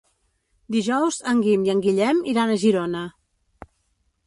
Dijous en Guim i en Guillem iran a Girona.